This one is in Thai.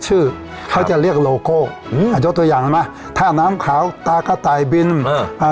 เรียกชื่อเขาจะเรียกโลโก้อาจจะตัวอย่างน่ะท่าน้ำขาวตากระต่ายบินเออ